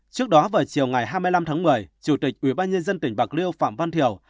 trước đó vào chiều ngày hai mươi năm tháng một mươi chủ tịch ubnd tỉnh bạc liêu phạm văn thiểu